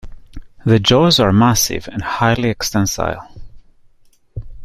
The jaws are massive and highly extensile.